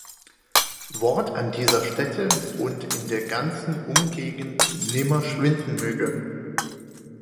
Wort an dieser Stätte und in der ganzen Umgegend nimmer schwinden möge.